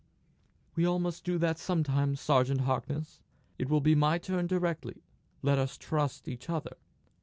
"We must all do that sometimes, Sergeant Harkness. It will be my turn directly. Let us trust each other."